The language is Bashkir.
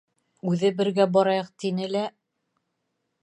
— Үҙе бергә барайыҡ тине лә...